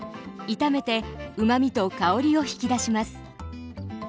炒めてうまみと香りを引き出します。